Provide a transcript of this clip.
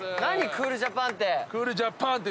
クールジャッパーンって。